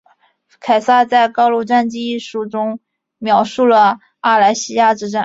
凯撒在高卢战记一书中描述了阿莱西亚之战。